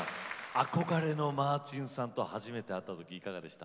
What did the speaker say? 憧れのマーチンさんと初めて会った時いかがでした？